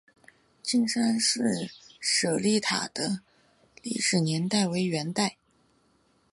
金山寺舍利塔的历史年代为元代。